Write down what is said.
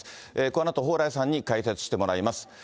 このあと蓬莱さんに解説してもらいます。